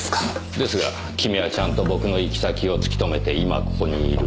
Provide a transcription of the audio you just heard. ですが君はちゃんと僕の行き先を突きとめて今ここにいる。